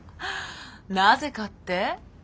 なぜかって？